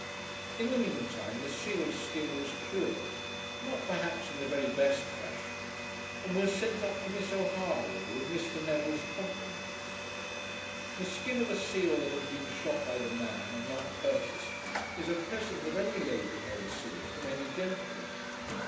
In the meantime the seal skin was cured, not perhaps in the very best fashion, and was sent up to Miss O'Hara, with Mr. Neville's compliments. The skin of a seal that has been shot by the man and not purchased is a present that any lady may receive from any gentleman.